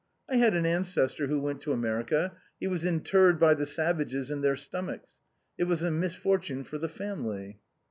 I had an ancestor who went to America; he was interred by the savages in their stom achs. It was a misfortune for the family."